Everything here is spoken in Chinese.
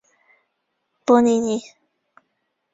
波利尼。